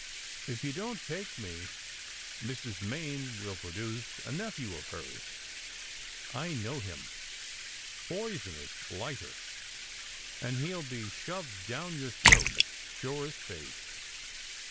"If you don t take me, Mrs. Main will produce a nephew of hers. I know him poisonous 206 SECRET HISTORY blighter and he ll be shoved down your throat, sure as fate.